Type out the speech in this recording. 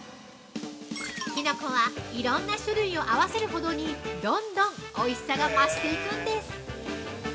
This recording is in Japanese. ◆きのこは、いろんな種類を合わせるほどにどんどんおいしさが増していくんです。